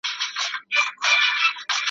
هجر د وامق کې د عذرا دړدونه څنګه وو؟